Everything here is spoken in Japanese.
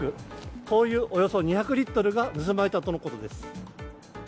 灯油およそ２００リットルが盗まれたとのことです。